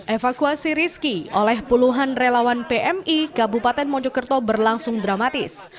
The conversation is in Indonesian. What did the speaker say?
evakuasi riski oleh puluhan relawan pmi kabupaten mojokerto berlangsung dramatis